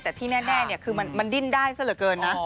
แต่ที่แน่นคือมันดิ้นได้สละเกินนะ